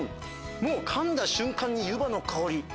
かんだ瞬間にゆばの香り。